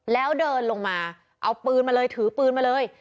แล้วเดินลงมาเอาปืนมาเลยถือปืนมาเลย